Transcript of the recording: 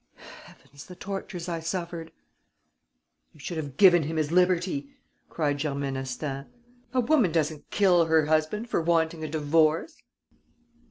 Heavens, the tortures I suffered!..." "You should have given him his liberty," cried Germaine Astaing. "A woman doesn't kill her husband for wanting a divorce."